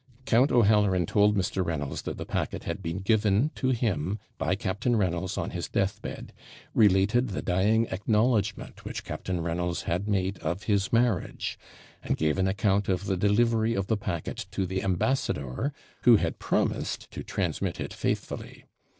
Count O'Halloran told Mr. Reynolds that the packet had been given to him by Captain Reynolds on his deathbed; related the dying acknowledgment which Captain Reynolds had made of his marriage; and gave an account of the delivery of the packet to the ambassador, who had promised to transmit it faithfully.